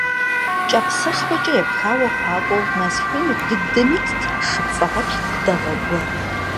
Кӏапсэшхуэкӏэ епхауэ хъуакӏуэу, мэз хуейм ику дыдэм итт шы пцӏэгъуэплъ дэгъуэ гуэр.